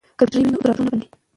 که بیټرۍ وي نو راډیو نه بندیږي.